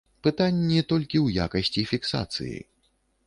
Пытанні толькі ў якасці фіксацыі.